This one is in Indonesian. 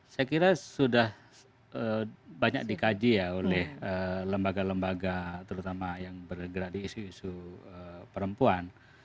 saya kira sudah banyak dikaji ya oleh lembaga lembaga terutama yang bergerak di isu isu perempuan